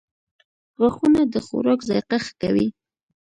• غاښونه د خوراک ذایقه ښه کوي.